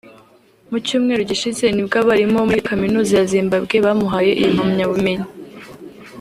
Mu cyumweru gishize nibwo abarimu bo muri Kaminuza ya Zimbabwe bamuhaye iyi mpamyabumenyi